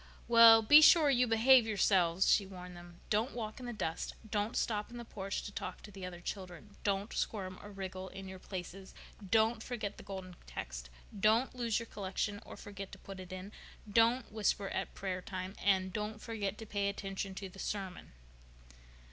"Well, be sure you behave yourselves," she warned them. "Don't walk in the dust. Don't stop in the porch to talk to the other children. Don't squirm or wriggle in your places. Don't forget the Golden Text. Don't lose your collection or forget to put it in. Don't whisper at prayer time, and don't forget to pay attention to the sermon."